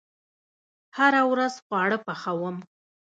هره ورځ خواړه پخوم